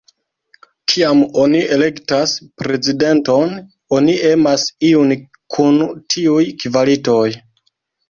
Kiam oni elektas prezidenton, oni emas iun kun tiuj kvalitoj.